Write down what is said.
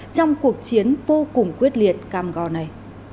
trong cuộc chiến vô cùng quyết liệt cam go này